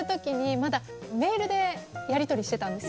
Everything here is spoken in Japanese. まだメールでやりとりしてたんですよ。